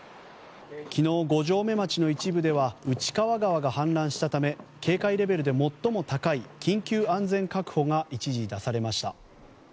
昨日、五城目町の一部では内川川が氾濫したため警戒レベルで最も高い緊急安全確保が一時出されました。